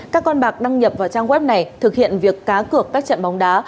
các con bạc đăng nhập vào trang web này thực hiện việc cá cược các trận bóng đá